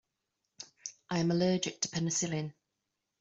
I am allergic to penicillin.